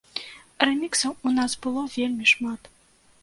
Рэміксаў у нас было вельмі шмат.